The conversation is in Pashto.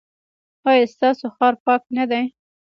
ایا ستاسو ښار پاک نه دی؟